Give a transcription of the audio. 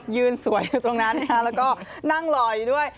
ยืนสวยอยู่ตรงนั้นแล้วก็นั่งรออยู่ด้วย